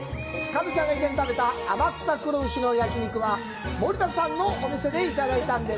加トちゃんが以前、食べた「天草黒牛」の焼き肉は、森田さんのお店でいただきました。